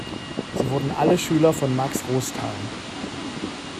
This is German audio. Sie wurden alle Schüler von Max Rostal.